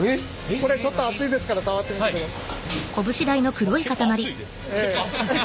これちょっと熱いですから触ってみてください。